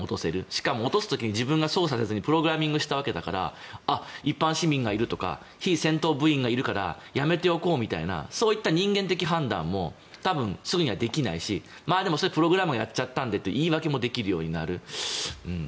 しかも落とす時に自分が操作せずにプログラミングしたわけだから一般市民がいるとか非戦闘部員がいるからやめておこうみたいなそういった人間的判断もすぐにはできないしそれはプログラムがやっちゃったんだって言い訳もできるようになる。